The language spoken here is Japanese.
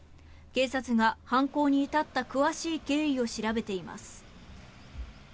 警察が犯行に至った詳しい経緯を調べています。